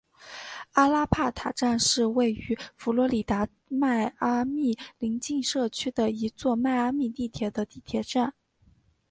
阿拉帕塔站是位于佛罗里达州迈阿密近邻社区的一座迈阿密地铁的地铁站。